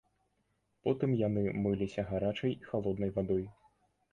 Потым яны мыліся гарачай і халоднай вадой.